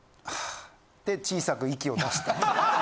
小さく息を出した。